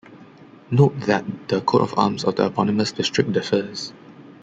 Note that the coat of arms of the eponymous district differs.